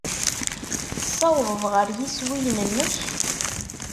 Tessawḍed ɣer yiswiyen-nnek?